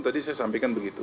tadi saya sampaikan begitu